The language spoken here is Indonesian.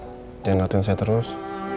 jangan ngeliatin saya terus